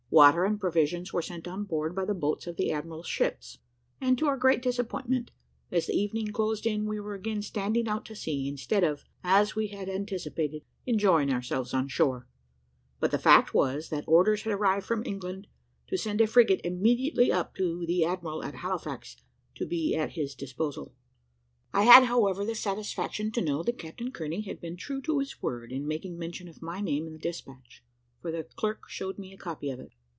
Water and provisions were sent on board by the boats of the admiral's ships, and, to our great disappointment, as the evening closed in, we were again standing out to sea, instead of, as we had anticipated, enjoying ourselves on shore; but the fact was, that orders had arrived from England to send a frigate immediately up to the admiral at Halifax, to be at his disposal. I had, however, the satisfaction to know that Captain Kearney had been true to his word in making mention of my name in the despatch, for the clerk showed me a copy of it.